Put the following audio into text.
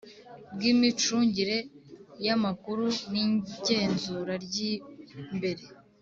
bw imicungire y amakuru n igenzura ry imbere